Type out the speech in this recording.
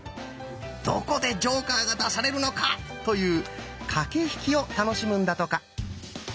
どこでジョーカーが出されるのかという駆け引きを楽しむんだとか。